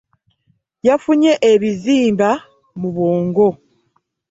Yafunye ebizimba mu bwongo .